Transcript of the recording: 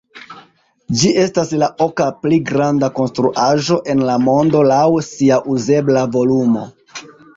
Ĝi estas la oka pli granda konstruaĵo en la mondo laŭ sia uzebla volumo.